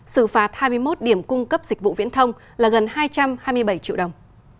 xử phạt hai mươi một điểm cung cấp dịch vụ viễn thông là gần hai trăm hai mươi bảy triệu đồng